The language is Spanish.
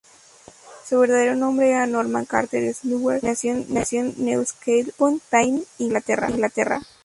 Su verdadero nombre era Norman Carter Slaughter, y nació en Newcastle upon Tyne, Inglaterra.